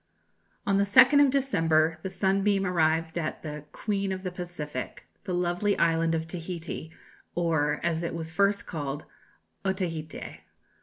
On the 2nd of December the Sunbeam arrived at the "Queen of the Pacific," the lovely island of Tahiti, or, as it was first called, Otaheite.